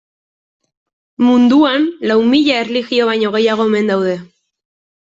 Munduan lau mila erlijio baino gehiago omen daude.